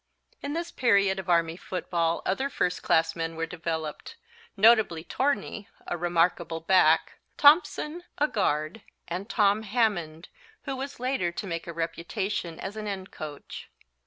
In this period of Army football other first class men were developed, notably Torney, a remarkable back, Thompson, a guard, and Tom Hammond, who was later to make a reputation as an end coach.